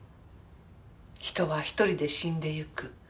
「人は独りで死んでいく」